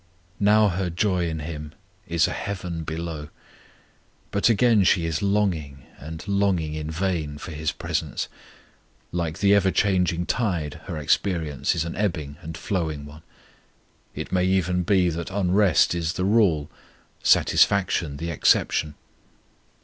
Now her joy in Him is a heaven below; but again she is longing, and longing in vain, for His presence. Like the ever changing tide, her experience is an ebbing and flowing one; it may even be that unrest is the rule, satisfaction the exception.